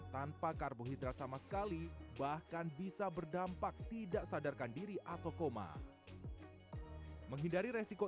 tanpa karbohidrat sama sekali bahkan bisa berdampak tidak sadarkan diri atau koma menghindari resiko